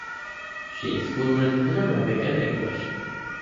She is fluent in Arabic and English.